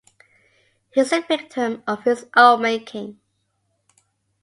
He is a victim of his own making.